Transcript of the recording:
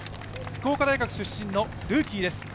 福岡大学出身のルーキーです。